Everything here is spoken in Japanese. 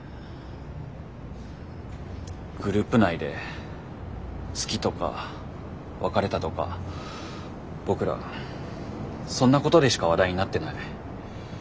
グループ内で好きとか別れたとか僕らそんなことでしか話題になってない。